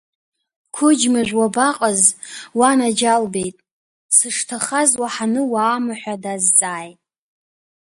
Қәыџьмажә уабаҟаз, уанаџьалбеит, сышҭахаз уаҳаны уаама ҳәа дазҵааит.